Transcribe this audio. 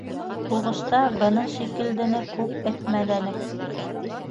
Һуғышта быны шикелдене күп әтмәләнек.